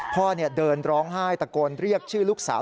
พ่อเดินร้องไห้ตะโกนเรียกชื่อลูกสาว